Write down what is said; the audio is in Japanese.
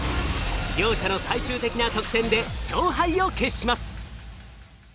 両者の最終的な得点で勝敗を決します。